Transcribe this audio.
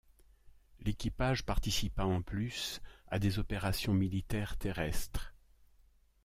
L'équipage participa en plus à des opérations militaires terrestres.